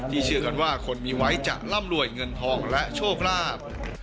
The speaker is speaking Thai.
เชื่อกันว่าคนมีไว้จะร่ำรวยเงินทองและโชคลาภ